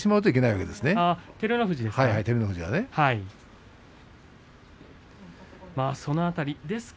照ノ富士ですか。